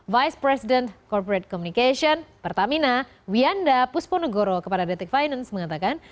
vice president corporate communication pertamina wianda pusponegoro kepada detik finance mengatakan